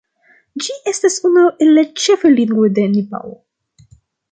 Ĝi estas unu el la ĉefaj lingvoj de Nepalo.